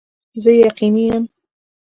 زه یقیني یم